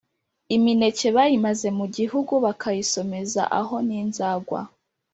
Imineke bayimaze mu gihugu Bakayisomeza aho n'inzagwa,